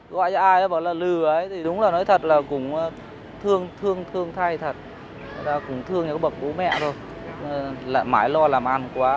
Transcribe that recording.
quay đây nói chuyện với em một lá